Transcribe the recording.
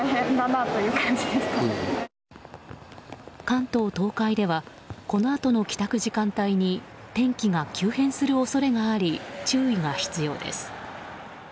関東・東海ではこのあとの帰宅時間帯に天気が急変する恐れがあり注意が必要です。